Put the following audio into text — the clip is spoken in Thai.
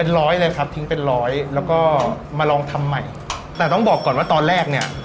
เป็นร้อยเลยครับทิ้งเป็นร้อยแล้วก็มาลองทำใหม่แต่ต้องบอกก่อนว่าตอนแรกเนี่ย